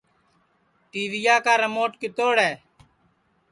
ٹی ویا کا رموٹ کیتوڑ ہے